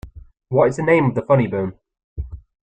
What is the name of the funny bone?